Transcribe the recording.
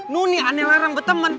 nuni aneh larang berteman